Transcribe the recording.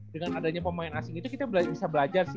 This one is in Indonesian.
dengan adanya pemain asing itu kita bisa belajar sih